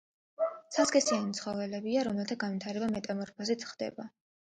ცალსქესიანი ცხოველებია, რომელთა განვითარება მეტამორფოზით ხდება.